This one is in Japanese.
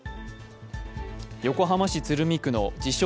横浜市鶴見区の自称・